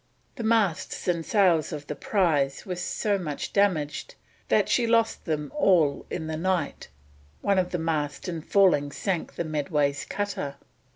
The masts and sails of the prize were so much damaged that she lost them all in the night; one of the masts in falling sank the Medway's cutter.